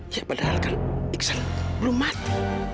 ya padahal kan iksan belum mati